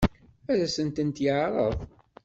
Ad sent-tent-yeɛṛeḍ?